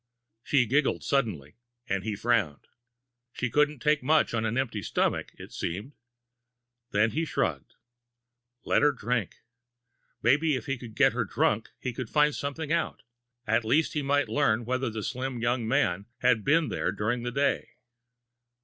She giggled suddenly, and he frowned. She couldn't take much on an empty stomach, it seemed. Then he shrugged. Let her drink maybe if he could get her drunk, he could find something out; at least he might learn whether the slim young man had been there during the day.